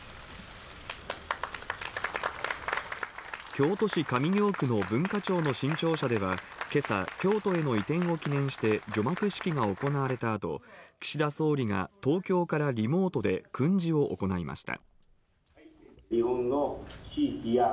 京都市上京区の文化庁の新庁舎では今朝、京都への移転を記念して、除幕式が行われた後、岸田総理が東京からリモートで訓示を行いました。